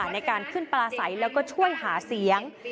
ในการขึ้นปลาใสแล้วก็ช่วยหาเสียง